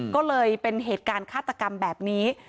ก็เลยเป็นเหตุการณ์ฆาตกรรมแบบนี้